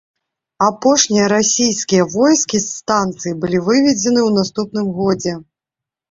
Апошнія расійскія войскі з станцыі былі выведзены ў наступным годзе.